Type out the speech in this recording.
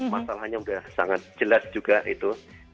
masalahnya sudah sangat jelas juga itu